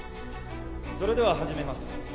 それでは始めます。